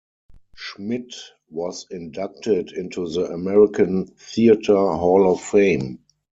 Schmidt was inducted into the American Theatre Hall of Fame.